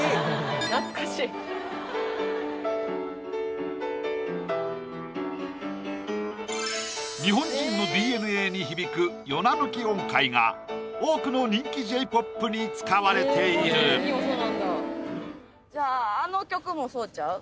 懐かしい日本人のＤＮＡに響くヨナ抜き音階が多くの人気ＪーＰＯＰに使われているじゃああの曲もそうちゃう？